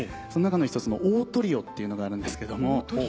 その中の一つのオートリオっていうのがあるんですけども。